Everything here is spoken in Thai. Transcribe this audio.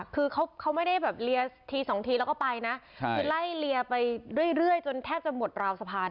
คือเขาไม่ได้แบบเลียทีสองทีแล้วก็ไปนะคือไล่เลียไปเรื่อยจนแทบจะหมดราวสะพาน